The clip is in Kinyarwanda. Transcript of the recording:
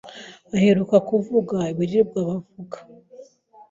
aheruka kuvuga abirirwa bavuga